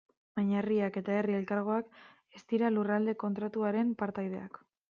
Baina herriak eta herri elkargoak ez dira Lurralde Kontratuaren partaideak.